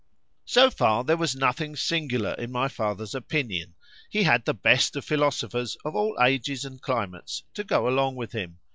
So far there was nothing singular in my father's opinion,—he had the best of philosophers, of all ages and climates, to go along with him.